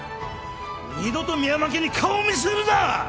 二度と深山家に顔を見せるな！